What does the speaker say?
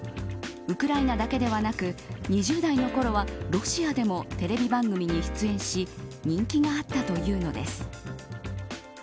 ウクライナだけではなく２０代のころはロシアでもテレビ番組に出演し人気があったというのです。